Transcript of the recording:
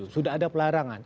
sudah ada pelarangan